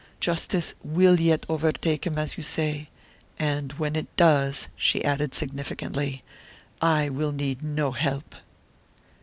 Justice will yet overtake him, as you say; and when it does," she added, significantly, "I will need no help."